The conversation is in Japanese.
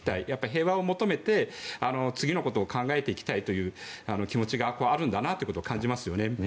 平和を求めて次のことを考えていきたいという気持ちがあるんだなと感じますよね。